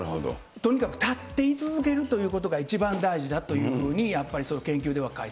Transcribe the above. とにかく立って居続けるということが一番大事だというふうに、なるほど。